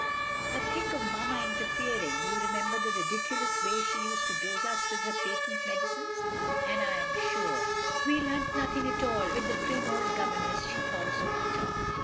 But think of Mamma interfering! You remember the ridiculous way she used to dose us with her patent medicines; and I am sure we learnt nothing at all with the prim old governess she thought so much of.